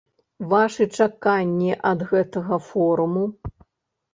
Вашы чаканні ад гэтага форуму?